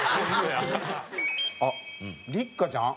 あっ六花ちゃん？